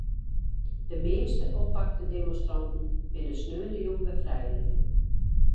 De measte oppakte demonstranten binne sneontejûn wer frijlitten.